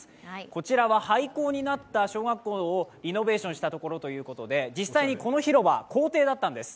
こちらは廃校なった小学校をリノベーションしたところということで実際にこの広場、校庭だったんです